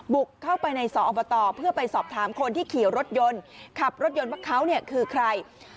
บุกเข้าไปในสอบตเพื่อไปสอบถามคนที่ขี่รถยนต์ขับรถยนต์ว่าเขาเนี่ยคือใคร